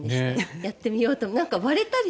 やってみよう。